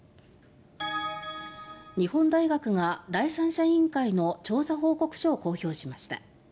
日本大学が第三者委員会の調査報告書を公表しました。